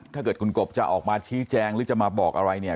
ถ้าเกิดคุณกบจะออกมาชี้แจงหรือจะมาบอกอะไรเนี่ย